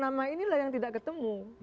nama inilah yang tidak ketemu